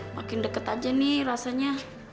makin deket aja nih rasanya